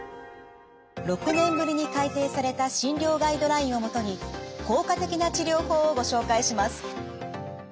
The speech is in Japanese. ６年ぶりに改訂された診療ガイドラインを基に効果的な治療法をご紹介します。